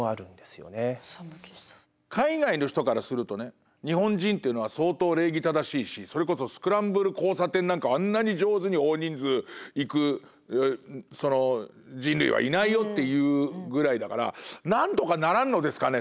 海外の人からするとね日本人っていうのは相当礼儀正しいしそれこそスクランブル交差点なんかあんなに上手に大人数行く人類はいないよっていうぐらいだからなんとかならんのですかね？